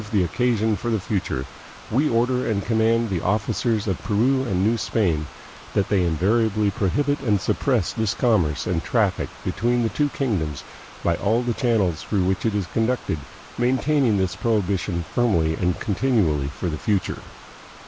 223 the occasion for the future, we order and command the officers of Peru and New Spain that they invariably pro hibit and suppress this commerce and traffic between the two kingdoms by all the channels through which it is conducted, maintaining this prohibition firmly and con tinually for the future."